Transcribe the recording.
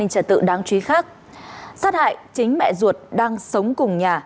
sát hại chính mẹ ruột đang sống cùng nhà